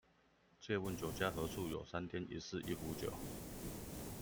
借問酒家何處有，山巔一寺一壺酒